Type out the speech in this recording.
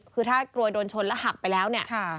คือถ้ากลัวโดนชนแล้วหักไปแล้วเนี่ย